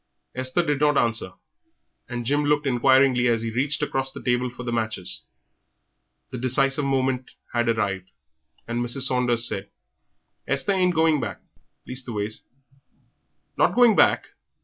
Esther did not answer, and Jim looked inquiringly as he reached across the table for the matches. The decisive moment had arrived, and Mrs. Saunders said "Esther ain't a going back; leastways " "Not going back!